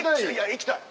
行きたい。